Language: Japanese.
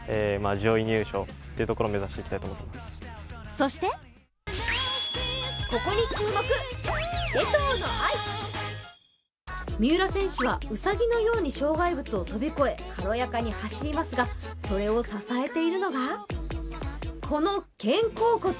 そして三浦選手はうさぎのように障害物を飛び越え軽やかに走りますが、それを支えているのがこの肩甲骨。